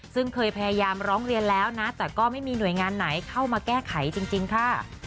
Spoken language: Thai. ซึ่งเคยพยายามร้องเรียนแล้วนะแต่ก็ไม่มีหน่วยงานไหนเข้ามาแก้ไขจริงค่ะ